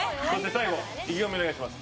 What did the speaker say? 最後、意気込みをお願いします。